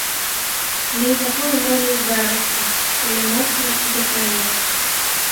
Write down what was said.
Але і такое можа здарыцца, калі моцна закране.